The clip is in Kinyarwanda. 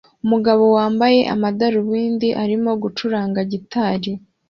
Umugabo wambaye amadarubindi arimo gucuranga gitari